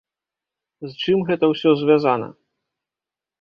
З чым гэта ўсё звязана?